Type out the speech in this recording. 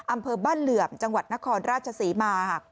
อำเภอบ้านเหลื่อมจังหวัดนครราชศรีมา